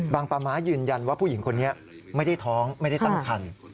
ปาม้ายืนยันว่าผู้หญิงคนนี้ไม่ได้ท้องไม่ได้ตั้งคัน